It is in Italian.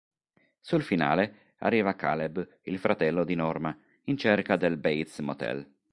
Sul finale, arriva Caleb, il fratello di Norma, in cerca del Bates Motel.